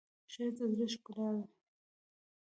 ښایست د زړه ښکلا ده